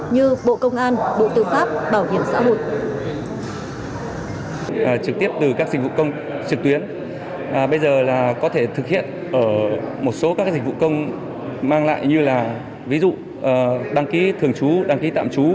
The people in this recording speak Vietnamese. như bộ công an bộ tư pháp bảo hiểm xã hội